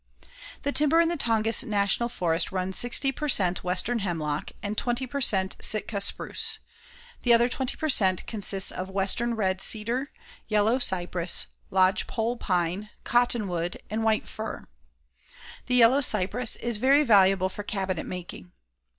The timber in the Tongass National Forest runs 60 per cent. western hemlock and 20 per cent. Sitka spruce. The other 20 per cent. consists of western red cedar, yellow cypress, lodge pole pine, cottonwood and white fir. The yellow cypress is very valuable for cabinet making.